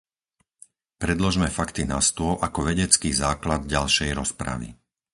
Predložme fakty na stôl ako vedecký základ ďalšej rozpravy.